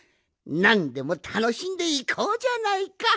なんでもたのしんでいこうじゃないか！